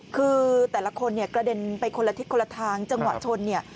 คือแต่ละคนเนี่ยกระเด็นไปคนละทิศคนละทางจังหวะชนเนี่ย